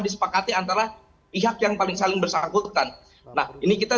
disepakati antara pihak pihak yang berpengaruh dengan kemampuan kita untuk memiliki kekuatan